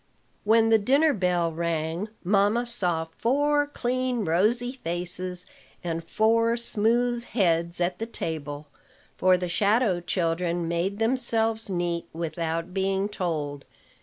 When the dinner bell rang, mamma saw four clean, rosy faces and four smooth heads at the table; for the shadow children made themselves neat, without being told.